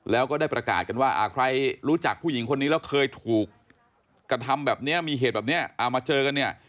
แล้วก็ได้ประกาศกันว่าใครรู้จักผู้หญิงคนนี้แล้วเคยถูกกระทำแบบนี้มีเหตุแบบนี้เอามาเจอกันเนี่ย